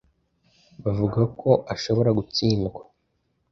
Bavuga ko ashobora gutsindwa.